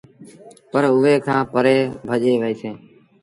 پر اُئي کآݩ پري ڀڄي وهيٚسينٚ